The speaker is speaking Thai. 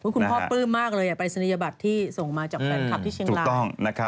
คุณพ่อเปิ้ลมากเลยปริศนิยบัติที่ส่งมาจากแฟนคลับของเชียงราค